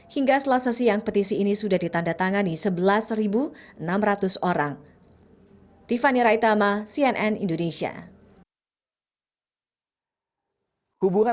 hingga selasa siang petisi ini sudah ditanda tangani sebelas enam ratus orang